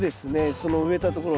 その植えたところを。